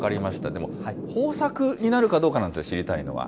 でも、豊作になるかどうかなんですよ、知りたいのは。